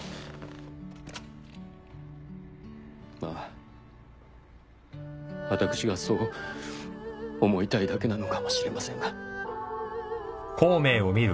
まあ私がそう思いたいだけなのかもしれませんが。